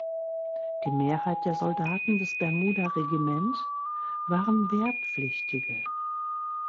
Die Mehrheit der Soldaten des Bermuda Regiment waren Wehrpflichtige.